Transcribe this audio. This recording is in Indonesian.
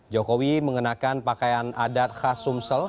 jokowi mengenakan pakaian adat khas sumsel